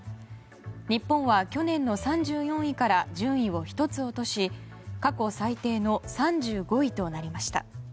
日本は去年の３４位から順位を１つ落とし過去最低の３５位となりました。